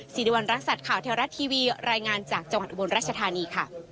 สิริวัณรักษัตริย์ข่าวเทวรัฐทีวีรายงานจากจังหวัดอุบลรัชธานีค่ะ